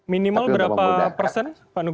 minimal berapa persen